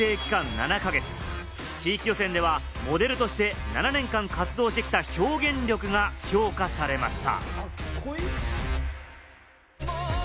７か月、地域予選ではモデルとして７年間活動してきた表現力が評価されました。